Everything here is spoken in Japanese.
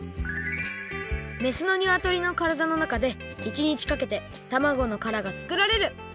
めすのにわとりのからだのなかで１日かけてたまごのからがつくられる。